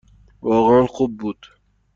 واقعاً خوب بود.